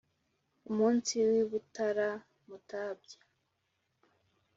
umunsi w'i butara mutambya